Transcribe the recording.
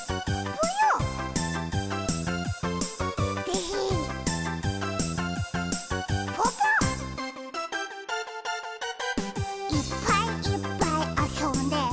ぽぽ「いっぱいいっぱいあそんで」